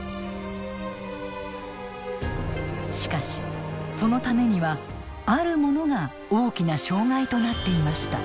しかしそのためにはあるものが大きな障害となっていました。